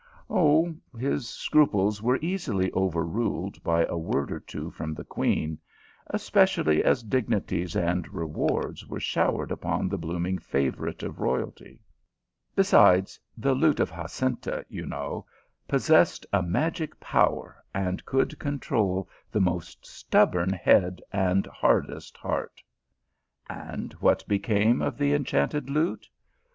Oh, his scruples were easily overruled by a word or two from the queen, especially as dignities and rewards were showered upon the blooming favour ite of royalty. Besides, the lute of Jacinta, you know, possessed a magic power, and could control the most stubborn head and hardest heart. And what became of the enchanted lute